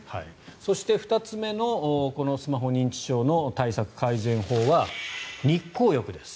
そして２つ目のスマホ認知症の対策改善法は日光浴です。